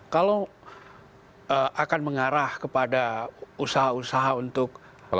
kalau akan mengarah kepada usaha usaha untuk